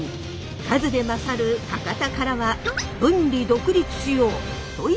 数で勝る博多からは分離独立しようという声も。